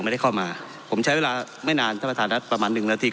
เพราะมันก็มีเท่านี้นะเพราะมันก็มีเท่านี้นะ